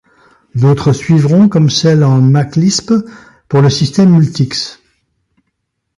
D'autres suivront comme celle en MacLisp pour le système Multics.